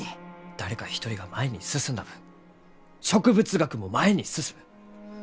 誰か一人が前に進んだ分植物学も前に進む！